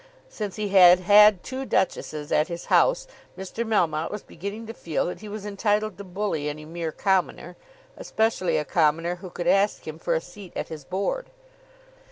Since he had had two duchesses at his house Mr. Melmotte was beginning to feel that he was entitled to bully any mere commoner, especially a commoner who could ask him for a seat at his board.